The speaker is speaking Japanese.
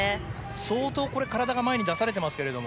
相当、これ体が前に出されてますけれども。